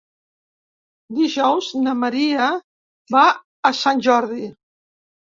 Dijous na Maria va a Sant Jordi.